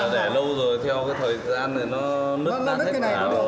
bây giờ là để lâu rồi theo cái thời gian này nó nứt ra hết cả rồi